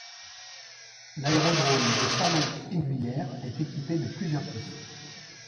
L'aérodrome de Salon - Eyguières est équipé de plusieurs pistes.